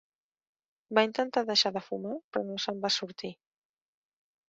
Va intentar deixar de fumar, però no se'n va sortir.